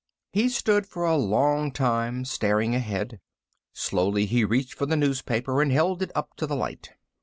He stood for a long time, staring ahead. Slowly, he reached for the newspaper and held it up to the light.